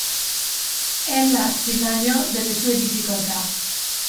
Ella si lagnò delle sue difficoltà.